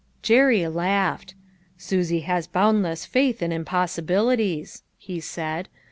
Jerry laughed. " Susie has boundless faith in impossibilities," he said.